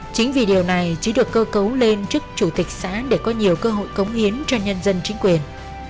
chính vì điều này chỉ được cơ cấu lên chức chủ tịch xã để có nhiều cơ hội cống hiến cho nhân dân chính quyền